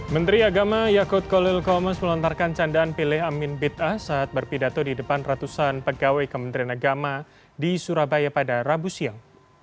menteri agama yakut kolil komas melontarkan candaan pilih amin bita saat berpidato di depan ratusan pegawai kementerian agama di surabaya pada rabu siang